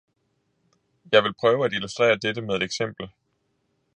Jeg vil prøve at illustrere dette med et eksempel.